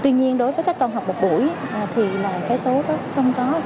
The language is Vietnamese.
tuy nhiên đối với các con học một buổi thì số đó không có